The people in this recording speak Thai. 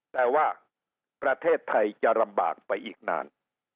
แต่ว่าประเทศไทยจะลำบากไปอีกนาน